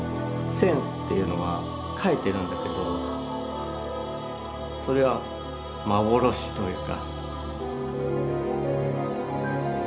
線っていうのは描いてるんだけどそれは幻というか。